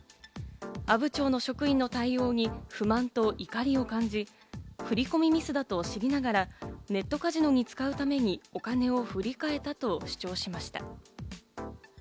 阿武町の職員の対応に不満と怒りを感じ、振り込みミスだと知りながらネットカジノに使うためにお金を振り替えたと主張しました。